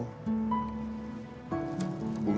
aku mau ke rumah